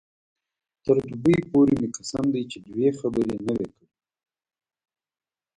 تر دوبۍ پورې مې قسم دی چې دوې خبرې نه وې کړې.